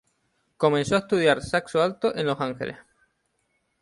Comenzó a estudiar saxo alto en Los Ángeles.